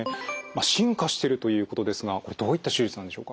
進化してるということですがこれどういった手術なんでしょうか？